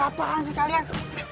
gak apa apa sih kalian